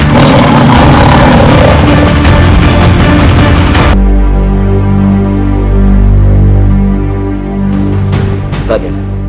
tidak ada yang selamat